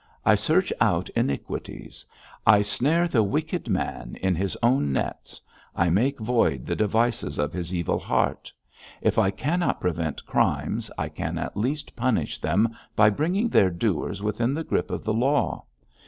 I search out iniquities; I snare the wicked man in his own nets; I make void the devices of his evil heart. If I cannot prevent crimes, I can at least punish them by bringing their doers within the grip of the law.